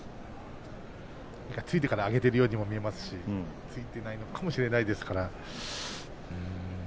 ついてから上げているようにも見えますしついていないのかもしれませんし。